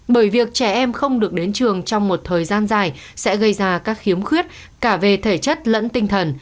bởi việc trẻ em không được đến trường trong một thời gian dài sẽ gây ra các khiếm khuyết cả về thể chất lẫn tinh thần